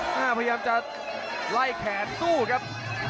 พยายามจะไล่แขนสู้ครับ